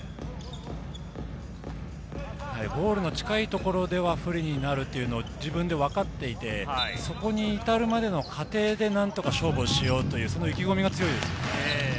ゴールの近いところでは不利になるというのは自分で分かっていて、そこに至るまでの過程で何とか勝負をしようというその意気込みが強いですよね。